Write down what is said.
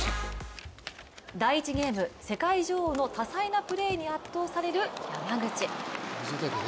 第１ゲーム、世界女王の多彩なプレーに圧倒される山口。